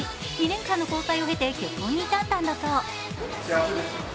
２年間の交際を経て、結婚に至ったんだそう。